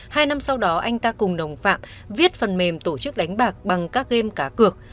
hai năm sau đó anh ta cùng đồng phạm viết phần mềm tổ chức đánh bạc bằng các game cá cược